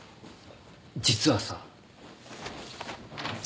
実はさ。